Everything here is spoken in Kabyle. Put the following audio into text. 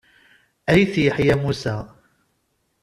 Ayt Yeḥya Musa.